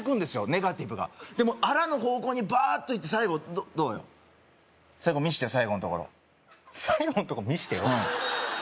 ネガティブがあらぬ方向にバーッといって最後どうよ最後見してよ最後のところ最後のとこ見してよ？